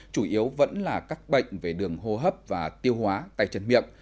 chủ yếu vẫn là các bệnh về đường hô hấp và tiêu hóa tay chân miệng